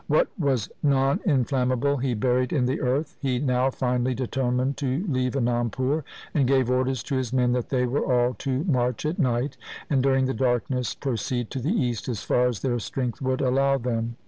What was non inflammable he buried in the earth. He now finally determined to leave Anandpur, and gave orders to his men that they were all to march at night and during the darkness proceed to the east as far as their strength would allow them.